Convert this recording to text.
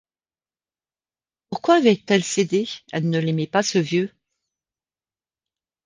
Pourquoi avait-elle cédé? elle ne l’aimait pas, ce vieux!